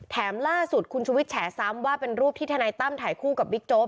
ล่าสุดคุณชุวิตแฉซ้ำว่าเป็นรูปที่ทนายตั้มถ่ายคู่กับบิ๊กโจ๊